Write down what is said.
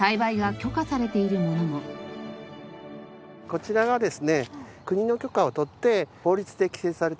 こちらがですね